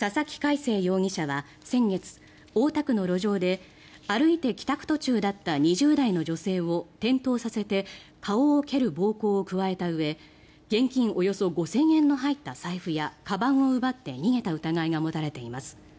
青容疑者は先月大田区の路上で歩いて帰宅途中だった２０代の女性を転倒させて顔を蹴る暴行を加えたうえ現金およそ５０００円の入った財布やかばんを奪って逃げた疑いが持たれています。